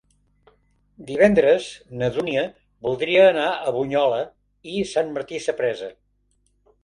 Divendres na Dúnia voldria anar a Brunyola i Sant Martí Sapresa.